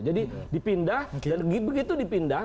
jadi dipindah dan begitu dipindah